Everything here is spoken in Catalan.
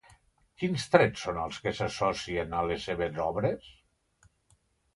Quins trets són els que s'associen a les seves obres?